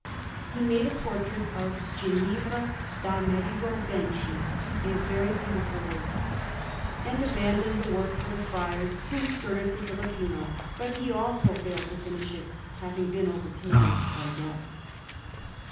He made a portrait of Ginevra d' Amerigo Benci, a very beautiful work; and abandoned the work for the friars, who restored it to Filippino; but he, also, failed to finish it, having been overtaken by death.